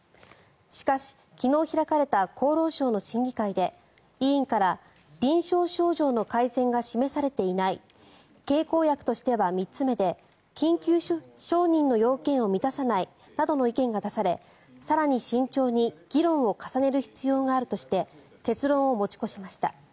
しかし、昨日開かれた厚労省の審議会で委員から臨床症状の改善が示されていない経口薬としては３つ目で緊急承認の要求を満たさないなどの意見が出され更に慎重に議論を重ねる必要があるとして結論を持ち越しました。